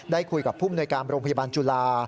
ได้คุยกับผู้มนวยการโรงพยาบาลจุฬา